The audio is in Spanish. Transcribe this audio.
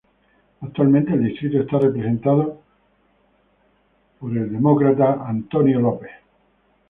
Actualmente el distrito está representado por el Demócrata Stephen Lynch.